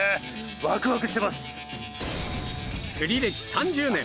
わくわくしてます釣り歴３０年！